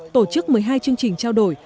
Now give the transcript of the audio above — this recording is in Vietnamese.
tổ chức một mươi hai chương trình trao đổi